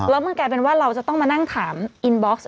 แล้วมันกลายเป็นว่าเราจะต้องมานั่งถามอินบ็อกซ์